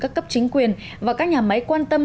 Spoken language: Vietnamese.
các cấp chính quyền và các nhà máy quan tâm